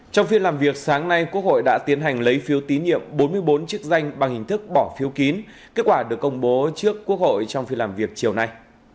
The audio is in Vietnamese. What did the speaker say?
trong phiên làm việc sáng nay quốc hội đã tiến hành lấy phiếu tín nhiệm bốn mươi bốn chức danh bằng hình thức bỏ phiếu kín kết quả được công bố trước quốc hội trong phiên làm việc chiều nay